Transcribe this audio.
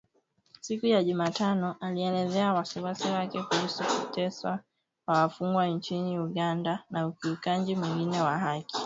Siku ya Jumatano ,alielezea wasiwasi wake kuhusu kuteswa kwa wafungwa nchini Uganda na ukiukaji mwingine wa haki